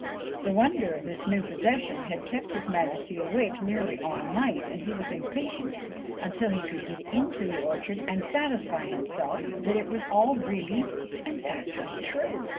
The wonder of this new possession had kept his Majesty awake nearly all night, and he was impatient until he could get into the orchard and satisfy himself that it was all really and actually true.